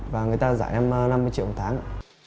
và người ta giải em năm mươi triệu một tháng